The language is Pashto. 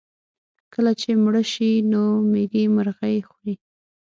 کله چې مړه شي نو مېږي مرغۍ خوري.